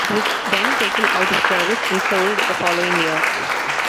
It was then taken out of service and sold the following year.